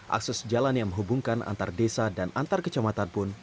akses jalan yang menghubungkan antar desa dan antar kecamatan pun